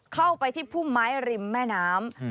เข้าไปที่พุ่มไม้ริมแม่น้ำ